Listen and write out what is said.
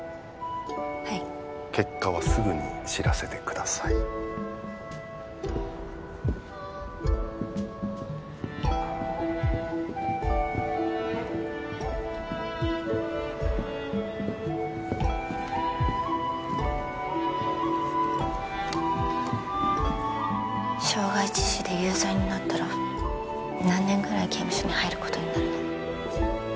はい結果はすぐに知らせてください傷害致死で有罪になったら何年ぐらい刑務所に入ることになるの？